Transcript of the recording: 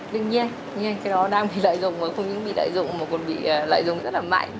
tuy nhiên tự nhiên cái đó đang bị lợi dụng và không những bị lợi dụng mà còn bị lợi dụng rất là mạnh